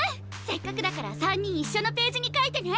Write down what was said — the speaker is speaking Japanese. せっかくだから３人一緒のページに書いてね！